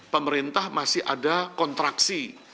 pemerintah masih ada kontraksi